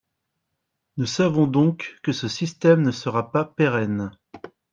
Nous savons donc que ce système ne sera pas pérenne.